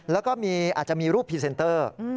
แล้วก็อาจจะมีรูปพรีเซนเตอร์